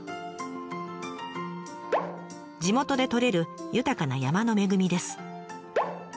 地元で採れる豊かな山の恵みです。